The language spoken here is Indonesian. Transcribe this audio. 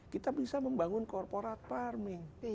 kita bisa membangun korporat farming